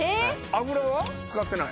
油は使ってない？